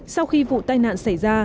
sau khi vụ tai nạn xảy ra